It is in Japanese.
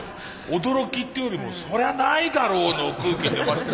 驚きっていうよりもそりゃないだろうの空気。